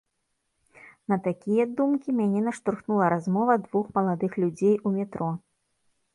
На такія думкі мяне наштурхнула размова двух маладых людзей у метро.